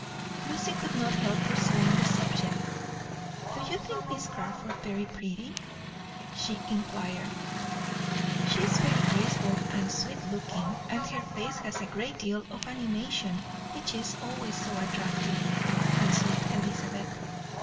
Lucy could not help pursuing the subject. "Do you think Miss Crawford very pretty?" she inquired. "She is very graceful and sweet looking; and her face has a great deal of animation, which is always so attractive," answered Elizabeth.